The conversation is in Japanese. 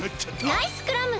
ナイスクラム！